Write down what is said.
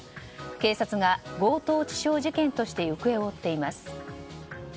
警察が強盗致傷事件として行方を追っています。